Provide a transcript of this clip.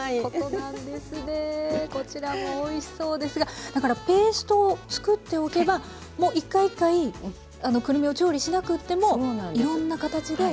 こちらもおいしそうですがだからペーストをつくっておけばもう一回一回くるみを調理しなくってもいろんな形で。